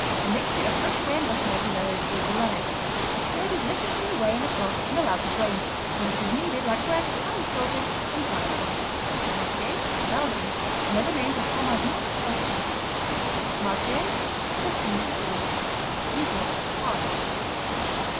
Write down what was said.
A mixture of fresh whey and buttermilk is added with the rennet. "The curd is lifted from the whey in a cloth and allowed to drain, when it is kneaded like bread, lightly salted, and dried." Maqueé Belgium Another name for Fromage Mou, Soft Cheese. Marches Tuscany, Italy Ewe's milk; hard.